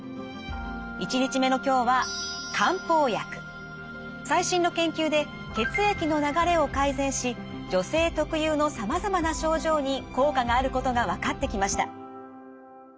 １日目の今日は最新の研究で血液の流れを改善し女性特有のさまざまな症状に効果があることが分かってきました。